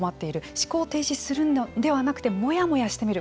思考停止するのではなくてモヤモヤしてみる